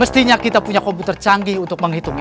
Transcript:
mestinya kita punya komputer canggih untuk menghitung ini